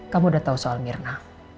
kamu udah tahu soal mirna